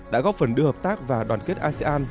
đã góp phần đưa hợp tác và đoàn kết asean